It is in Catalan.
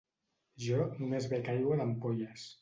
Jo només bec aigua d'ampolles